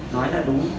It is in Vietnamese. nói là đúng